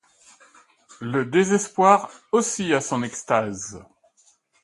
Le désespoir aussi a son extase.